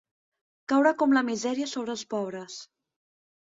Caure com la misèria sobre els pobres.